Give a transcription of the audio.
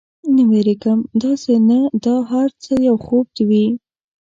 نه، وېرېږم، داسې نه دا هر څه یو خوب وي.